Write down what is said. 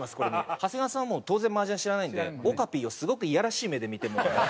長谷川さんはもう当然麻雀知らないんでおかぴーをすごくいやらしい目で見て。